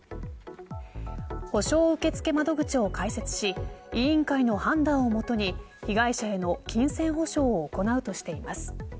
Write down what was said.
補償受付窓口を開設し委員会の判断を元に被害者への金銭補償を行うとしています。